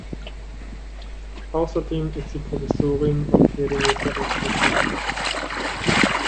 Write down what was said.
Außerdem ist sie Professorin am Perimeter Institute.